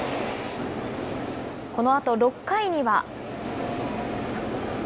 このあと６回には。